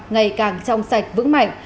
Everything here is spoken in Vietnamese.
ngày càng trong sạch vững mạnh